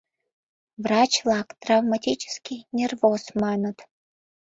Врач-влак «травматический нервоз» маныт.